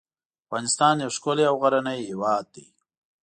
افغانستان یو ښکلی او غرنی هیواد دی .